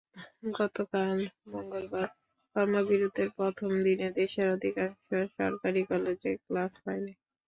গতকাল মঙ্গলবার কর্মবিরতির প্রথম দিনে দেশের অধিকাংশ সরকারি কলেজে ক্লাস হয়নি।